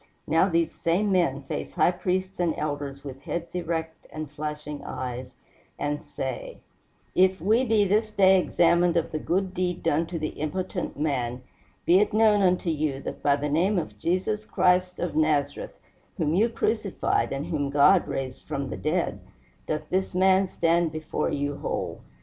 Now these same men face high priests and elders with heads erect and flashing eyes, and say: "If we be this day examined of the good deed done to the impotent man, be it known unto you that by the name of Jesus Christ of Nazareth, whom you crucified and whom God raised from the dead, doth this man stand before you whole.